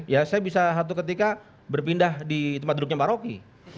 ya saya bisa satu ketika berpindah di tempat duduknya mbak rocky